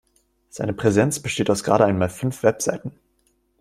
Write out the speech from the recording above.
Seine Präsenz besteht aus gerade einmal fünf Webseiten.